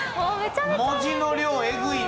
文字の量えぐいな。